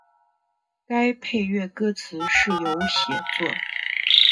该配乐歌词是由写作。